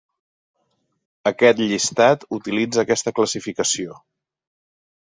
Aquest llistat utilitza aquesta classificació.